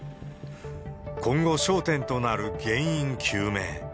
今後、焦点となる原因究明。